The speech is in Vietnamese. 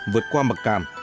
vượt qua mặc cảm